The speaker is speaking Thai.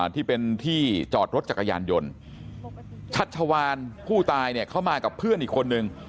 ที่เป็นที่จอดรถจักรยานยนต์ชัชวานผู้ตายเนี่ยเขามากับเพื่อนอีกคนนึง